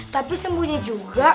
tapi sembunyi juga